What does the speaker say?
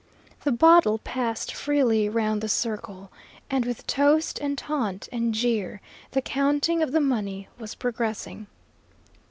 The bottle passed freely round the circle, and with toast and taunt and jeer the counting of the money was progressing.